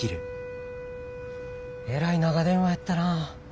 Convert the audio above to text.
えらい長電話やったな。